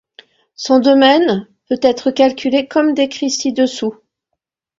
Son domaine peut être calculé comme décrit ci-dessous.